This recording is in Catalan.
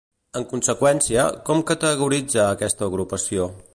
En conseqüència, com categoritza a aquesta agrupació?